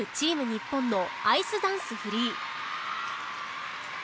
日本のアイスダンスフリー。